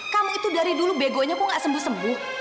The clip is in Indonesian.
kamu itu dari dulu begonya kok gak sembuh sembuh